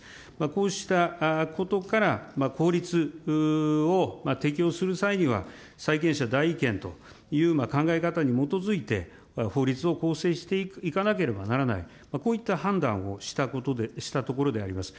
こうしたことから、法律を適用する際には、債権者代位権という考え方に基づいて、法律を構成していかなければならない、こういった判断をしたところであります。